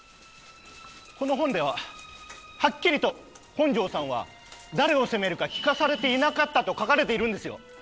この本でははっきりと本城さんは誰を攻めるか聞かされていなかったと書かれているんですよ。